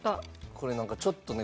これなんかちょっとね